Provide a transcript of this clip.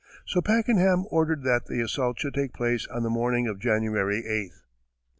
So Pakenham ordered that the assault should take place on the morning of January 8th.